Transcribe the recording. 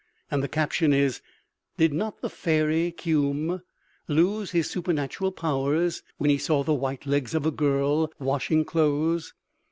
And the caption is, "Did not the fairy Kumé lose his supernatural powers when he saw the white legs of a girl washing clothes?"